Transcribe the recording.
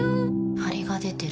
ハリが出てる。